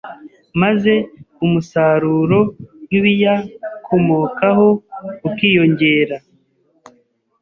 maze umusaruro w ibiyakomokaho ukiyongera